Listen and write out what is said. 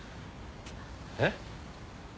えっ？